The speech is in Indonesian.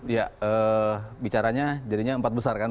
ya bicaranya jadinya empat besar kan